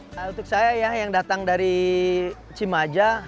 nah untuk saya ya yang datang dari cimaja